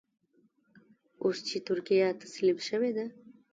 اوس چې ترکیه تسليم شوې ده.